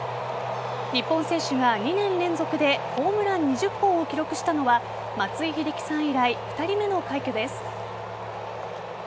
日本選手が２年連続でホームラン２０本を記録したのは松井秀喜さん以来２人目の快挙です。